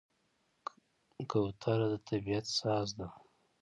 کوتره د طبیعت ساز ده.